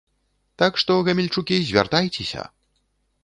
Так што, гамельчукі, звяртайцеся!